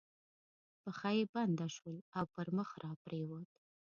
پښه یې بنده شول او پر مخ را پرېوت.